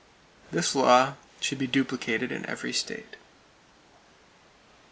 This law should be duplicated in every state.